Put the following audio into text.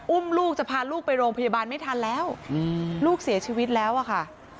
อุ้มลูกจะพาลูกไปโรงพยาบาลไม่ทันแล้วลูกเสียชีวิตแล้วอะค่ะ